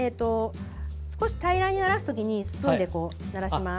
少し平らにならすときにスプーンを使います。